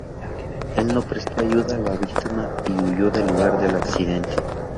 Él no prestó ayuda a la víctima y huyó del lugar del accidente.